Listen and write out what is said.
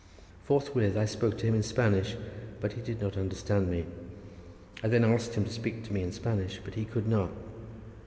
Forthwith I spoke to him in Spanish, but he did not understand me. I then asked him to speak to me in Spanish, but he could not.